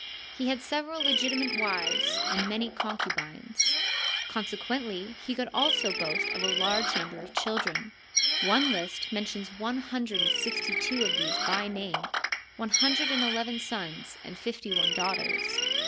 He had several legitimate wives and many concubines. Consequently he could also boast of a large number of children. One list mentions one hun dred and sixty two of these by name— one hundred and eleven sons and fifty one daughters.